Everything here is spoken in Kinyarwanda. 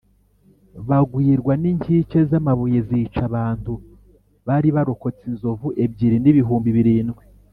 bagwirwa n’inkike z’amabuye zica abantu bari barokotse inzovu ebyiri n’ibihumbi birindwi